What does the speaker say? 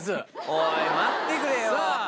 おい待ってくれよ。